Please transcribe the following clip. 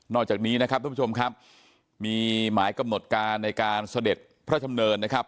จากนี้นะครับทุกผู้ชมครับมีหมายกำหนดการในการเสด็จพระดำเนินนะครับ